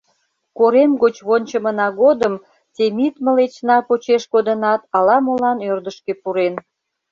Корем гоч вончымына годым Темит мылечна почеш кодынат, ала-молан ӧрдыжкӧ пурен.